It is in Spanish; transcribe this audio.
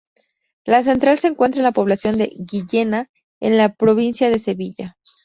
La central se encuentra en la población de Guillena, en la provincia de Sevilla.